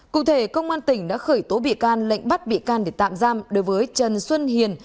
cụ thể công an tỉnh đã khởi tố bị can lệnh bắt bị can để tạm giam đối với trần xuân hiền